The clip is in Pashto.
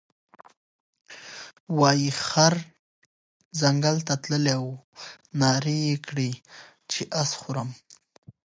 وايې خر ځنګل ته تللى وو نارې یې کړې چې اس خورم،